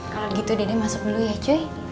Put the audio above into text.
kalau gitu dede masuk dulu ya joy